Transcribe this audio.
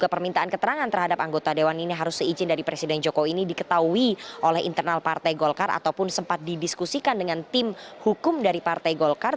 permintaan keterangan terhadap anggota dewan ini harus seizin dari presiden jokowi ini diketahui oleh internal partai golkar ataupun sempat didiskusikan dengan tim hukum dari partai golkar